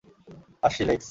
আসছি, লেক্স!